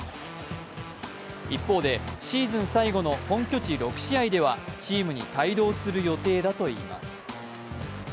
一方で、シーズン最後の本拠地６試合ではチームに帯同する予定だといいます。